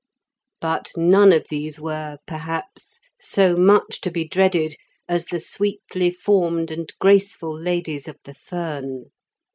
But none of these were, perhaps, so much to be dreaded as the sweetly formed and graceful ladies of the fern.